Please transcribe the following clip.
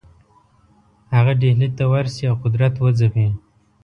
هغه ډهلي ته ورسي او قدرت وځپي.